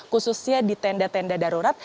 khususnya di tenda tenda darurat